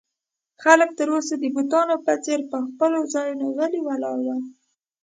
خلک تر اوسه د بتانو په څېر پر خپلو ځایو غلي ولاړ ول.